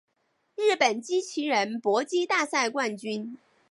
日本机器人搏击大赛冠军